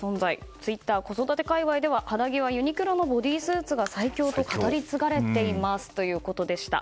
ツイッター子育て界隈では肌着はユニクロのボディスーツが最強と語り継がれていますということでした。